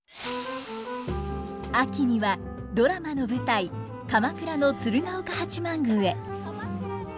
秋にはドラマの舞台鎌倉の鶴岡八幡宮へ。